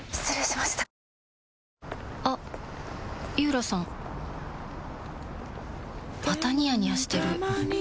またニヤニヤしてるふふ。